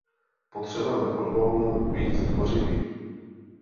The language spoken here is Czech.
Potřebujeme odvahu být tvořiví.